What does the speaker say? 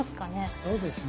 そうですね。